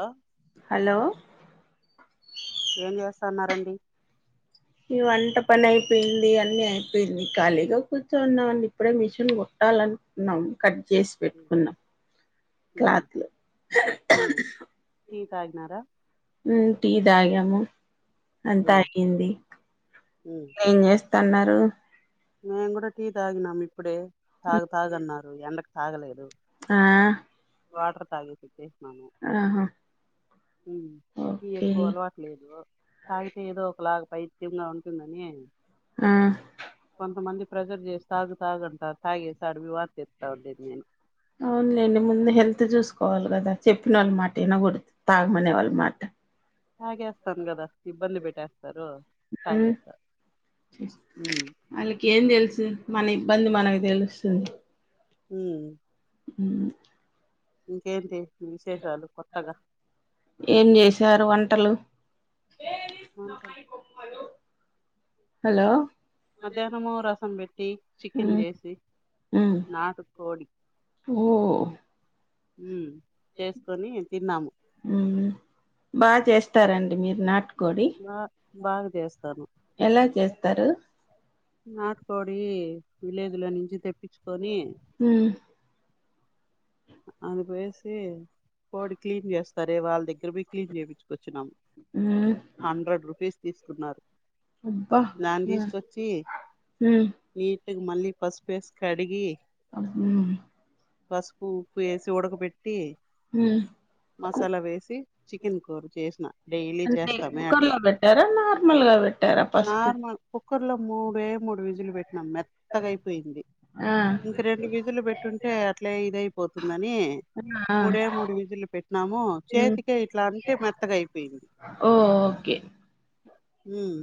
hello hello ఏం చేస్తాన్నారండి ఈ వంట పని అయిపోయింది అన్నీ అయిపోయింది ఖాళీగా కూర్చున్నమండి ఇప్పుడే మిషన్ ట్టాలని న్నాం క జేస్ పెట్టుకున్నాం క్లాత్ లో టీ తాగినారా మ్మ్ టీ తాగాము అంతా అయింది ఏం చేస్ త అన్నారు మేము గూడా టీ తాగినం ఇప్పుడే తాగు తాగన్నారు ఎండకు తాగలేదు ఆ వాటర్ తాగి తిట్టేస్నాను ఆహా మ్మ్ టీ ఓకే ఎక్కువ అలవాటు లేదు తగితే ఏదో ఒకలాగా పైత్యంగా ఉంటుందని ఆ కొంతమంది ప్రెజర్ జేసి తాగు తాగు అంటారు తాగేస్తాడు వాత చెస్తావ్ దీన్ని అవునులేండి ముందు హెల్త్ జూసుకోవాలి కదా చెప్పిన వోళ్ళ మాట ఇనగూడదు తాగమనే వోళ్ళ మాట తాగేస్తాను గదా ఇబ్బంది బెట మ్మ్ ఆళ్ళకి ఏం దెలుసు మన ఇబ్బంది మనకి తెలుస్తుంది హ్మ్ ఉమ్, ఇంకేంటి విశేషాలు కొత్తగా ఏం జేసారు వంటలు అవును కొంచెం హలో మధ్యాహ్నము రసం బెట్ టి చికెన్ మ్మ్ చేసి మ్మ్ నాటు కోడి ఓ ఉ చేసుకొని తిన్నాము మ్మ్ బా చేస్తారండి మీరు నాటు బ బాగా చేస్తాను ఎలా చేస్తారు నాటుకోడి విలేజ్ లో నుంచి తెప్పించుకొని మ్మ్ అది పోసి కోడి క్లీన్ చేస్తారే వాళ్ళ దగ్గర పోయి క్లీన్ చేయించుకొచ్చినం మ్మ్ హండ్రెడ్ రూపీస్ తీసుకున్నారు అబ్బా దాన్ని మ్మ్ తీసుకొచ్చి మ్మ్ నీటుగా మళ్ళీ పసుపేసి కడిగి మ్మ్ పసుపు ఉప్పు ఏసి ఉడక పెట్ హ్మ్ మసాలా వేసి చికెన్ కూర చేసిన డైలీ అంటే చేస్తామే కుక్కర్ లో అట్లా పెట్టారా నార్మల్ గా పెట్టారా పసుపు కర్లో మూడే మూడు విజిలు పెట్ మెత్తగయిపోయింది ఆ ఇంక రెండు విజిలు పెట్టుంటే అట్లే ఇదై న్నని ఆ మూడే మూడు విజులు పెట్టినాము మ్మ్ చేతికే ఇట్లా అంటే మెత్తగా అయిపోయింది ఓ ఓకే హ్మ్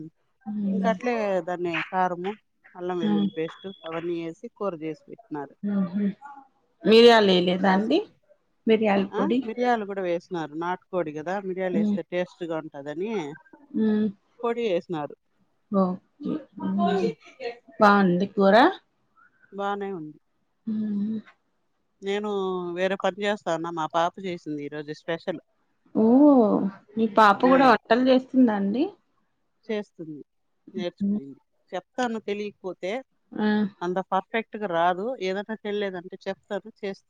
ఇంక మ్మ్ అట్లే దాన్ని కారము అల్లం మ్మ్ వెల్లులి పేస్టు అవన్నీ వేసి కూర చేసి పెట్టిన్నారు మ్మ్ మిరియాలు వేయ లేదా అండి మిరియాల పొడి నా నాటుకోడి కదా మియలు మ్మ్ వస్తే టేస్ట్ గా ఉంటు అని మ్మ్ పోడి చేసినారు ఓకే బావుంది కురా బానే ఉంది ఉ నేను వేరే పని చేస్తాన్న మా పాప చేసింది ఈ రోజు స్పెషల్ ఓహో మీ పాప కూడా ఉమ్ వట్టల్ చేస్తుంద అండి చేస్తుంది ఉ నేర్చుకునింది చెప్తాను తెలియకపో తే ఆ అంత పర్ఫెక్ట్గా రాదు ఏదన్నా తెలిలేదంటే చెప్తాను చేస్